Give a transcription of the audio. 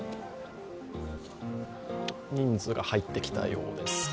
人数が入ってきたようです。